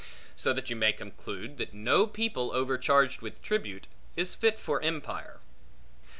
So that you may conclude, that no people overcharged with tribute, is fit for empire.